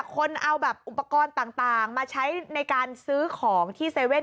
คนเอาอุปกรณ์ต่างมาใช้ในการซื้อของที่เซเว่น